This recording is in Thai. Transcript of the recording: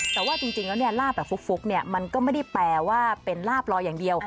แต่ว่าจริงแล้วลาบแบบฟุกมันก็ไม่ได้แปลว่าเป็นลาบลอยอย่างเดียว